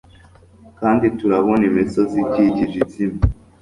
kandi turabona imisozi ikikije izimye